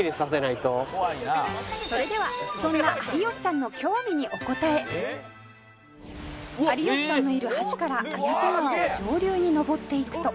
「それではそんな有吉さんの興味にお答え」「有吉さんのいる橋から綾瀬川を上流に上っていくと」